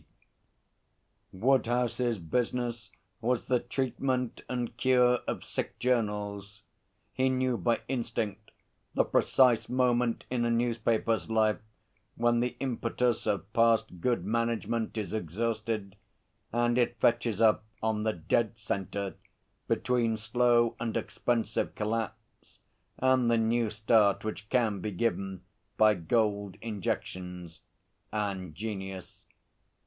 P. Woodhouse's business was the treatment and cure of sick journals. He knew by instinct the precise moment in a newspaper's life when the impetus of past good management is exhausted and it fetches up on the dead centre between slow and expensive collapse and the new start which can be given by gold injections and genius.